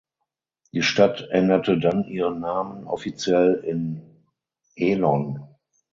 Die Stadt änderte dann ihren Namen offiziell in Elon.